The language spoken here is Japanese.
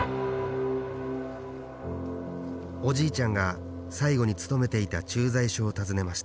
おじいちゃんが最後に勤めていた駐在所を訪ねました